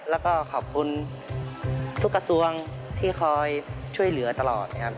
แล้วก็ขอบคุณทุกกระทรวงที่คอยช่วยเหลือตลอดนะครับ